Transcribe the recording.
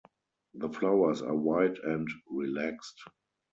The flowers are white and relaxed.